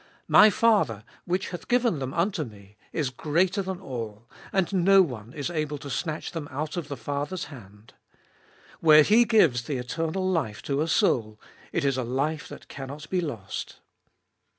My Father, which hath given them unto me, is greater than all ; and no one is able to snatch them out of the Father's hand." Where He gives the eternal life to a soul, it is a life that cannot be lost.